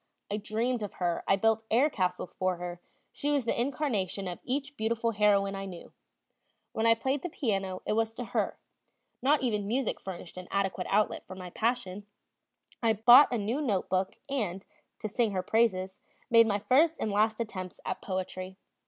I dreamed of her, I built air castles for her, she was the incarnation of each beautiful heroine I knew; when I played the piano, it was to her, not even music furnished an adequate outlet for my passion; I bought a new note book and, to sing her praises, made my first and last attempts at poetry.